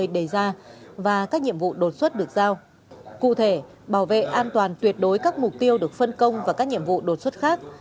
đề ra và các nhiệm vụ đột xuất được giao cụ thể bảo vệ an toàn tuyệt đối các mục tiêu được phân công và các nhiệm vụ đột xuất khác